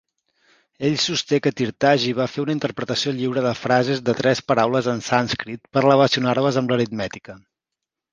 Ell sosté que Tirthaji va fer una interpretació lliure de frases de tres paraules en sànscrit per relacionar-les amb l'aritmètica.